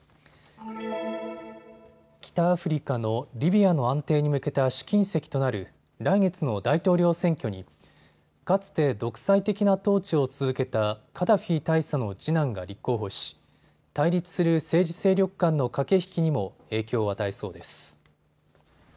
北アフリカのリビアの安定に向けた試金石となる来月の大統領選挙にかつて独裁的な統治を続けたカダフィ大佐の次男が立候補し対立する政治勢力間の駆け引きにも影響を与えそうです。